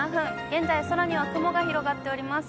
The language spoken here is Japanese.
現在、空には雲が広がっております。